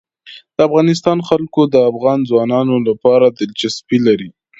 د افغانستان جلکو د افغان ځوانانو لپاره دلچسپي لري.